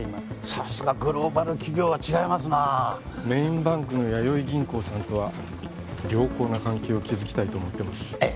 さすがグローバル企業は違いますなメインバンクのやよい銀行さんとは良好な関係を築きたいと思ってますええ